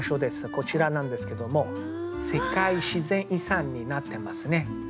こちらなんですけども世界自然遺産になってますね。